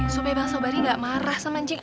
supaya bang sobari gak marah sama jiko